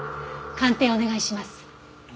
鑑定お願いします。